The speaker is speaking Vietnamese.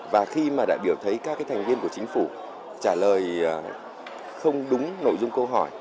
và khi mà đại biểu thấy các thành viên của chính phủ trả lời không đúng nội dung câu hỏi